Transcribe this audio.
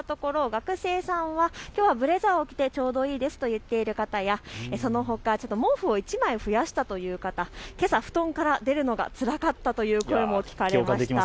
学生さんは、きょうはブレザーを着てちょうどいいですと言っていた方や、そのほか毛布を１枚増やしたという方、けさ布団から出るのがつらかったという声も聞かれました。